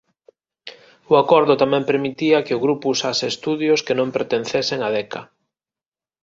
O acordo tamén permitía que o grupo usase estudios que non pertencesen a Decca.